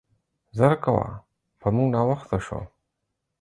زر کوه, په مونګ ناوخته شو.